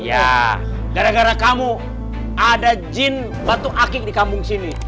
ya gara gara kamu ada jin batu akik di kampung sini